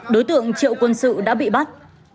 đối tượng triệu quân sự đã bị bắt